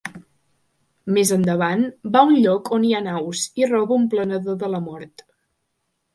Més endavant va a un lloc on hi ha naus i roba un Planador de la Mort.